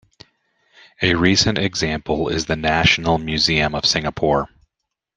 A recent example is the National Museum of Singapore.